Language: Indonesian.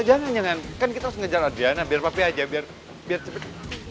jangan jangan kan kita harus ngejar ajana biar papi aja biar cepet